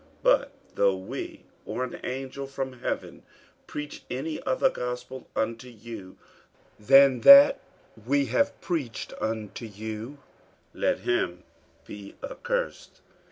48:001:008 But though we, or an angel from heaven, preach any other gospel unto you than that which we have preached unto you, let him be accursed.